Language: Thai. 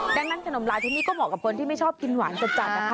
ดังนั้นขนมลายที่นี่ก็เหมาะกับคนที่ไม่ชอบกินหวานจัดนะคะ